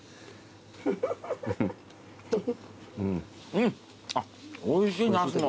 うんあっおいしいナスの。